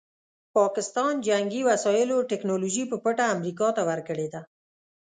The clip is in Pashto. پاکستان جنګي وسایلو ټیکنالوژي په پټه امریکا ته ورکړې ده.